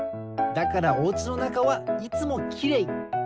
だからおうちのなかはいつもきれい。